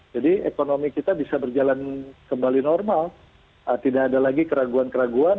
jadi ekonomi kita bisa berjalan kembali normal tidak ada lagi keraguan keraguan